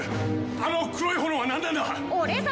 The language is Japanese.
あの黒い炎はなんなんだ！？